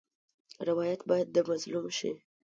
روایت باید د مظلوم شي.